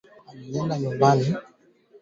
Mwende muka chume ma avoka